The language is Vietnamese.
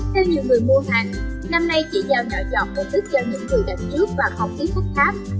theo nhiều người mua hàng năm nay chỉ giao nhỏ dọc và tức cho những người đặt trước và không ký phút khác